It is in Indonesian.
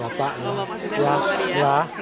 bapak sudah selamat ya